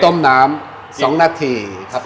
ต้มน้ำ๒นาทีครับ